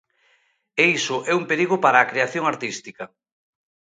E iso é un perigo para a creación artística.